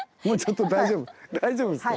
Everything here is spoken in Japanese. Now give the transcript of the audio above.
もうちょっと大丈夫。